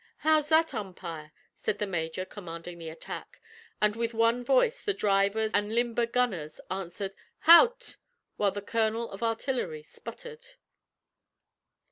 "How's that, umpire?" said the major commanding the attack, and with one voice the drivers and limber gunners answered, "Hout!" while the colonel of artillery sputtered.